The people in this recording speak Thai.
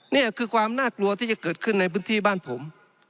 นี่คือความน่ากลัวที่จะเกิดขึ้นในพื้นที่บ้านผม